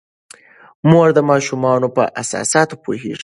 مور د ماشومانو په احساساتو پوهیږي.